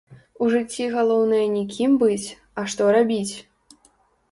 У жыцці галоўнае не кім быць, а што рабіць.